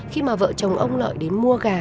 khi mà vợ chồng ông lợi đến mua gà